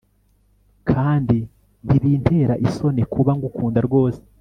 kandi ntibintera isoni kuba ngukunda rwose